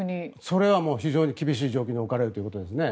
それは非常に厳しい状況に置かれるということですね。